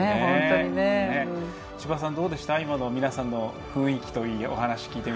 千葉さん、どうでしたか今の皆さんの雰囲気といいお話を聞いて。